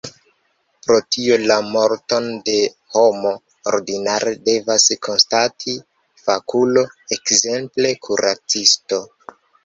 Pro tio la morton de homo ordinare devas konstati fakulo, ekzemple kuracisto.